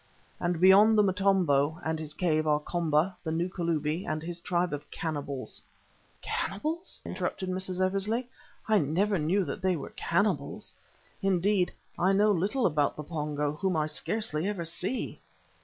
And beyond the Motombo and his cave are Komba, the new Kalubi and his tribe of cannibals " "Cannibals!" interrupted Mrs. Eversley, "I never knew that they were cannibals. Indeed, I know little about the Pongo, whom I scarcely ever see."